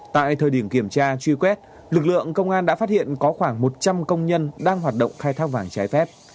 tại thời điểm kiểm tra truy quét lực lượng công an đã phát hiện có khoảng một trăm linh công nhân đang hoạt động khai thác vàng trái phép